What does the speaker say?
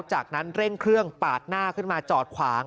จากนั้นเร่งเครื่องปาดหน้าขึ้นมาจอดขวาง